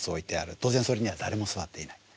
当然それには誰も座っていない。